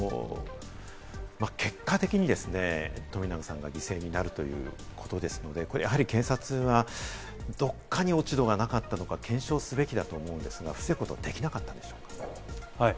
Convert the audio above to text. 結果的に冨永さんが犠牲になるということですので、やはり警察はどこかに落ち度がなかったのか検証すべきだと思うんですが、防ぐことはできなかったんでしょうか？